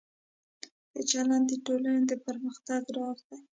ښه چلند د ټولنې د پرمختګ راز دی.